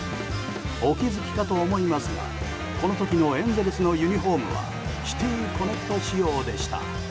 お気づきかと思いますがこの時のエンゼルスのユニホームはシティ・コネクト仕様でした。